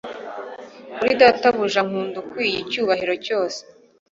kuri databuja nkunda ukwiye icyubahiro cyose